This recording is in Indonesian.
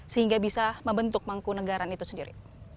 sehingga bisa membentuk mangkunagaran itu sendiri